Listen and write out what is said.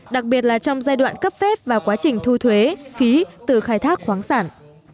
đặc biệt là trong giai đoạn cấp phép và quá trình thu thuế phí từ khai thác khoáng sản